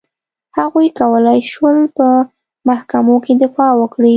هغوی کولای شول په محکمو کې دفاع وکړي.